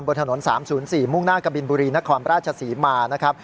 บนถนน๓๐๔มุ่งหน้ากับบิลบุรีนครราชศรีมา